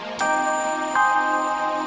baik terima kasih deh arti